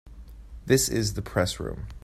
This is the Press Room.